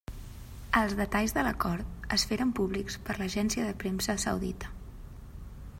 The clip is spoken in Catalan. Els detalls de l'acord es feren públics per l'Agència de Premsa Saudita.